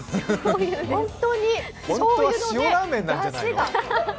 本当にしょうゆのだしが。